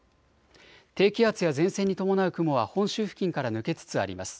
低気圧や前線に伴う雲は本州付近から抜けつつあります。